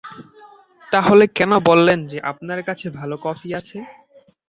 তাহলে কেন বললেন যে আপনার কাছে ভালো কফি আছে।